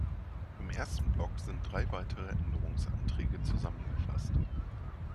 Im ersten Block sind drei weitere Änderungsanträge zusammengefasst.